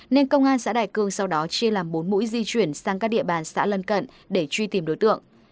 nên công an xã đại cương sau đó chia làm bốn mũi di chuyển sang các địa bàn xã lân cận để truy tìm đối tượng